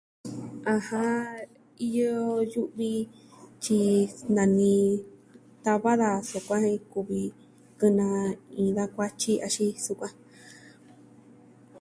Ajan, iyo yu'vi tyi nani tava daja sukuan jen kuvi kɨnaa da kuatyi axin sukuan.